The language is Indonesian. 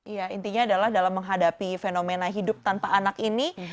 ya intinya adalah dalam menghadapi fenomena hidup tanpa anak ini